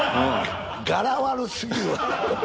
ガラ悪すぎるわ。